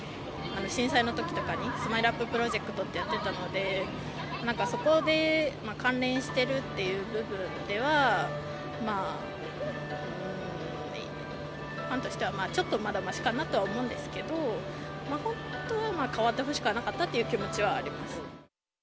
震災のときとかに、スマイルアッププロジェクトってやっていたので、なんかそこで関連してるっていう部分では、ファンとしては、ちょっとまだましかなと思うんですが、本当は変わってほしくはなかったっていう気持ちはあります。